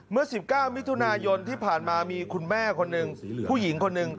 เมื่อ๑๙มิถุนายนที่ผ่านมามีคุณแม่คนหนึ่งผู้หญิงคนหนึ่ง